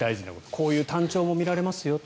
こういうタンチョウも見られますよと。